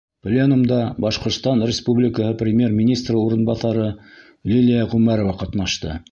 Пленумда Башҡортостан Республикаһы Премьер-министры урынбаҫары Лилиә Ғүмәрова ҡатнашты.